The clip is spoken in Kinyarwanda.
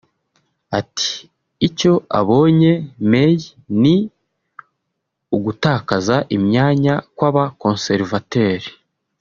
Ati “Icyo abonye [May] ni ugutakaza imyanya kw’aba-Conservateur